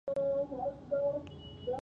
د انګورو او انارو صادرات په ډېرېدو دي.